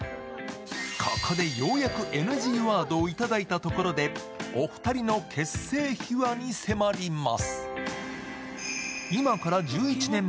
ここでようやくＮＧワードをいただいたところでお二人の結成秘話に迫ります。